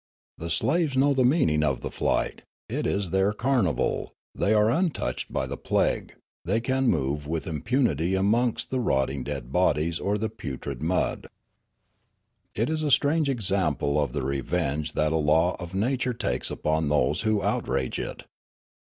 The sla ves know the meaning of the flight ; it is their car nival ; they are untouched by the plague ; they can move with impunity amongst the rotting dead bodies or the putrid mud. " It is a strange example of the revenge that a law of nature takes upon those who outrage it.